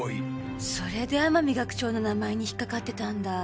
それで天海学長の名前に引っかかってたんだ。